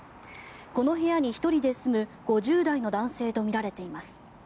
この部屋に１人で住む５０代の男性とみられています。